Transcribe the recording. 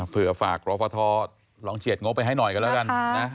เผื่อฝากรฟทธ์ลองเชียดงบไปให้หน่อยก็แล้วกัน